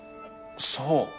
そう！